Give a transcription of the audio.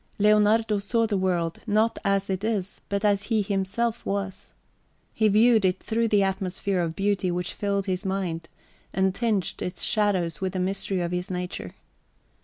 Leonardo saw the world not as it is, but as he himself was. He viewed it through the atmosphere of beauty which filled his mind, and tinged its shadows with the mystery of his nature.